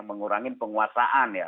mengurangi penguasaan ya